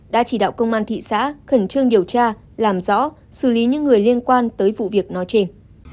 đã chỉ đạo công an thị xã khẩn trương điều tra làm rõ xử lý những người liên quan tới vụ việc nói trên